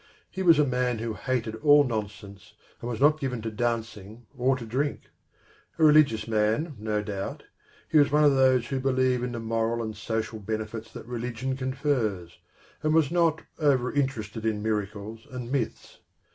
He was a man who hated all nonsense, and was not given to dancing or to drink. A religious 39 40 PENTHEUS man, no doubt, he was one of those who believe in the moral and social benefits that religion confers, and was not over interested in miracles and myths.